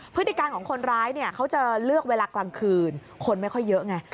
พฤติการของคนร้ายเนี่ยเขาจะเลือกเวลากลางคืนคนไม่ค่อยเยอะไง